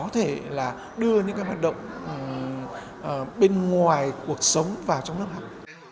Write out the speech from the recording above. có thể là đưa những cái hoạt động bên ngoài cuộc sống vào trong lớp học